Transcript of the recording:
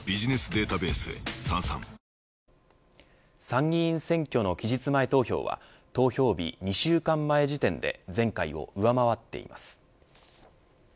参議院選挙の期日前投票は投票日２週間前時点で前回を上回っています。